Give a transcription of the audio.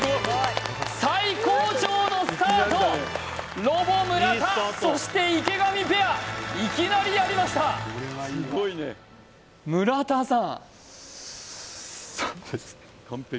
最高潮のスタートロボ村田そして池上ペアいきなりやりました村田さん